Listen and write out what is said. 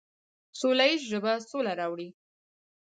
سوله ییزه ژبه سوله راوړي.